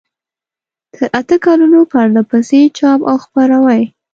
تر اته کلونو پرلپسې چاپ او خپروي.